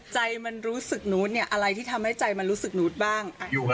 ใจมันรู้สึกนูดเนี่ยอะไรที่ทำให้ใจมันรู้สึกนูดบ้าง